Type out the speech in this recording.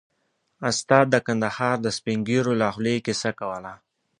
استاد د کندهار د سپين ږيرو له خولې کيسه کوله.